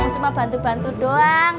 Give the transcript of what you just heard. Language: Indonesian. cuma bantu bantu doang